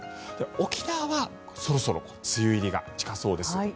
沖縄はそろそろ梅雨入りが近そうです。